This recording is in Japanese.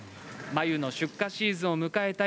繭の出荷シーズンを迎えた